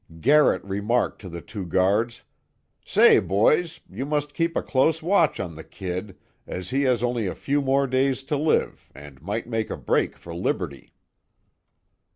Garrett remarked to the two guards: "Say, boys, you must keep a close watch on the 'Kid,' as he has only a few more days to live, and might make a break for liberty."